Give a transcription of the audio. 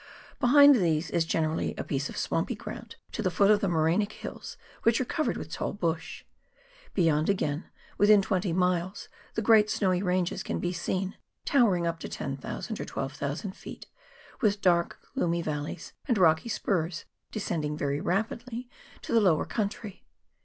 Behind these is generally a piece of swampy ground to the foot of the morainic hills, which are covered with tall bush ; beyond again, within twenty miles, the great snowy ranges can be seen towering up to 10,000 or 12,000 ft., wdth dark, gloomy valleys, and rocky spurs descend ing very rapidly to the lower country.